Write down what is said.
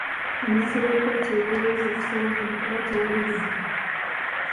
Bano basabye kkooti egobe okusaba kuno kuba tewali budde.